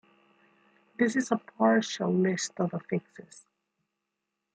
This is a partial list of affixes.